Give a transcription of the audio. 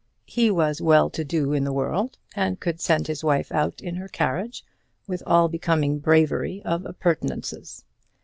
He was well to do in the world, and could send his wife out in her carriage, with all becoming bravery of appurtenances.